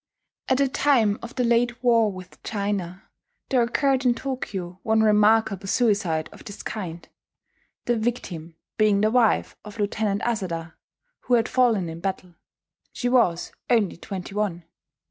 At the time of the late war with China there occurred in Tokyo one remarkable suicide of this kind; the victim being the wife of Lieutenant Asada, who had fallen in battle. She was only twenty one.